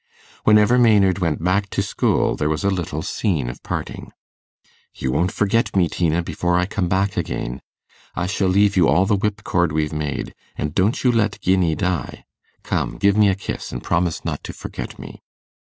Whenever Maynard went back to school, there was a little scene of parting. 'You won't forget me, Tina, before I come back again? I shall leave you all the whip cord we've made; and don't you let Guinea die. Come, give me a kiss, and promise not to forget me.